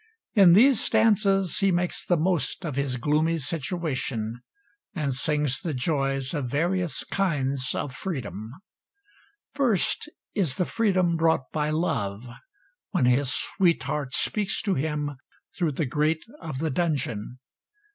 In these stanzas he makes the most of his gloomy situation and sings the joys of various kinds of freedom. First is the freedom brought by love, when his sweetheart speaks to him through the grate of the dungeon.